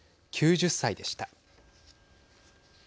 ９０歳でした。